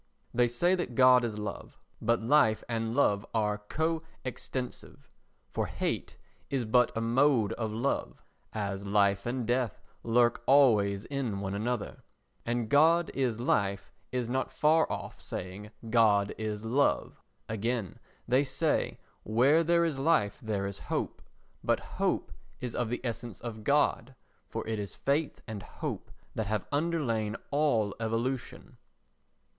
They say that God is love, but life and love are co extensive; for hate is but a mode of love, as life and death lurk always in one another; and "God is life" is not far off saying "God is love." Again, they say, "Where there is life there is hope," but hope is of the essence of God, for it is faith and hope that have underlain all evolution.